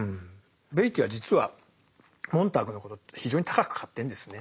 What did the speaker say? ベイティーは実はモンターグのことを非常に高く買ってんですね。